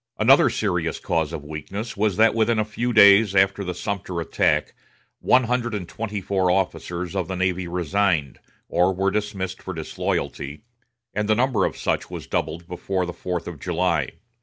Another serious cause of weakness was that within a few days after the Sumter attack one hundred and twenty four officers of the navy resigned, or were dismissed for disloyalty, and the number of such was doubled before the fourth of July.